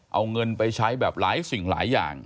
เอาเงินไปใช้แบบหลายสิ่งหลายอย่าง